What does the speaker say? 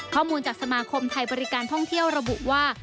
ข้อมูลจากสมาคมไทยบริการท่องเที่ยวระบุว่า